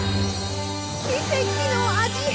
奇跡の味変！